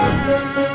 ya udah mbak